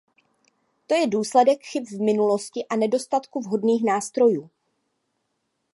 To je důsledek chyb v minulosti a nedostatku vhodných nástrojů.